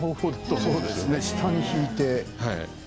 そうですね、下に敷いて。